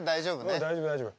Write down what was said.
うん大丈夫大丈夫。